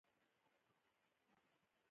هغه اوبه وڅښلې.